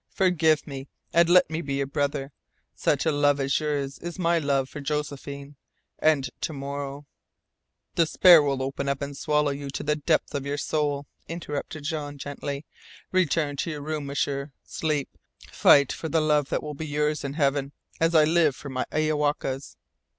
Forgive me, and let me be your brother. Such a love as yours is my love for Josephine. And to morrow " "Despair will open up and swallow you to the depths of your soul," interrupted Jean gently. "Return to your room, M'sieur. Sleep. Fight for the love that will be yours in Heaven, as I live for my Iowaka's.